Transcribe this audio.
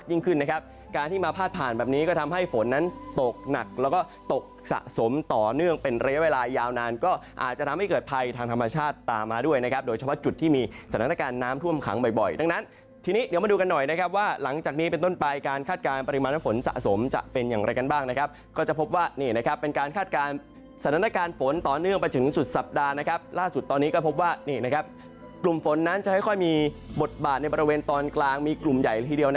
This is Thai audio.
ดังนั้นทีนี้เดี๋ยวมาดูกันหน่อยนะครับว่าหลังจากนี้เป็นต้นปลายการคาดการณ์ปริมาณฝนสะสมจะเป็นอย่างไรกันบ้างนะครับก็จะพบว่านี่นะครับเป็นการคาดการณ์สถานการณ์ฝนต่อเนื่องไปถึงสุดสัปดาห์นะครับล่าสุดตอนนี้ก็พบว่านี่นะครับกลุ่มฝนนั้นจะค่อยมีบทบาทในบริเวณตอนกลางมีกลุ่มใหญ่ทีเดียว